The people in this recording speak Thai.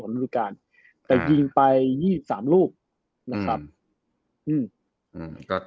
ปร้อยยิงไป๒๓ลูกนะครับ